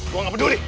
gue gak peduli